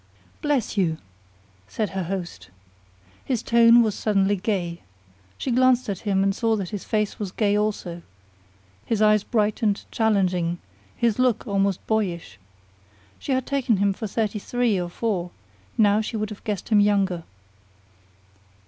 "Bless you!" said her host. His tone was suddenly gay. She glanced at him and saw that his face was gay also, his eyes bright and challenging, his look almost boyish. She had taken him for thirty three or four; now she would have guessed him younger.